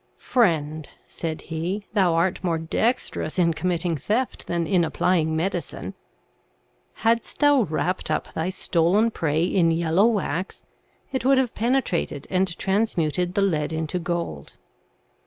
* Friend,' said he, * thou art more dexterous in committing theft than in applying medicine; hadst thou wrapt up thy stolen prey in yellow wax, it would have penetrated and transmuted the lead into gold.'